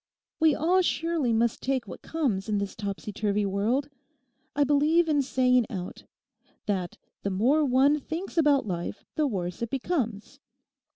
We all surely must take what comes in this topsy turvy world. I believe in saying out:—that the more one thinks about life the worse it becomes.